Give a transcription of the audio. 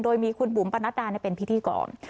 โดยมีคุณบุ๋มปนัดดาเป็นพิธีกร